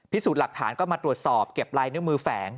พิสูจน์หลักฐานก็มาตรวจสอบเก็บลายนิ้วมือแฝง